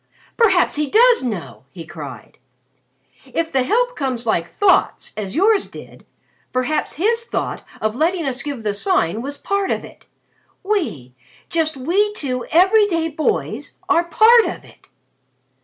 "Perhaps he does know!" he cried. "If the help comes like thoughts as yours did perhaps his thought of letting us give the Sign was part of it. We just we two every day boys are part of it!"